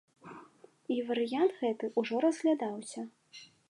І варыянт гэты ўжо разглядаўся.